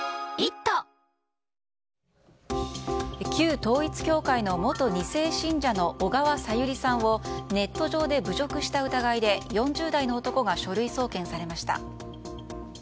旧統一教会の元２世信者の小川さゆりさんをネット上で侮辱した疑いで４０代の男が書類送検されました。